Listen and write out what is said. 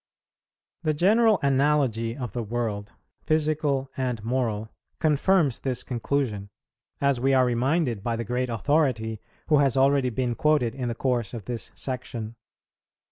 The general analogy of the world, physical and moral, confirms this conclusion, as we are reminded by the great authority who has already been quoted in the course of this Section.